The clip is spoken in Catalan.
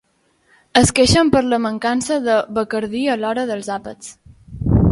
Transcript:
Es queixen per la mancança de Bacardí a l'hora dels àpats.